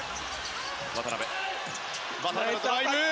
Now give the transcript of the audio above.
渡邊のドライブ！